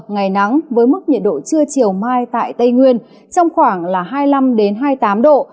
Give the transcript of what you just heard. ngày nắng với mức nhiệt độ trưa chiều mai tại tây nguyên trong khoảng hai mươi năm hai mươi tám độ